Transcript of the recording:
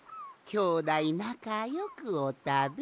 きょうだいなかよくおたべ。